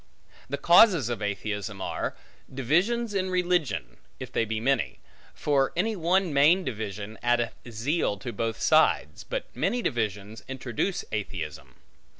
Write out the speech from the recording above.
The causes of atheism are: divisions in religion, if they be many; for any one main division, addeth zeal to both sides; but many divisions introduce atheism.